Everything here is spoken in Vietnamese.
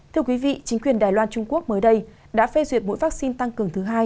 thưa quý vị chính quyền đài loan trung quốc mới đây đã phê duyệt mỗi vaccine tăng cường thứ hai